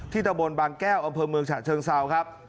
ตะบนบางแก้วอำเภอเมืองฉะเชิงเซาครับ